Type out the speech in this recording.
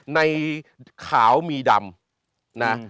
ในขาวมีดำนะ